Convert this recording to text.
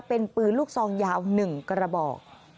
เป็นปืนลูกซองยาว๑กระบอก